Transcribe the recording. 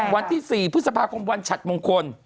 วันที่๔พฤษภาคมวันฉัดมงคล